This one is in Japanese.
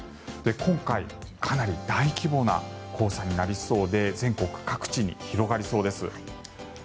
今回、かなり大規模な黄砂になりそうで全国各地に広がりそうです。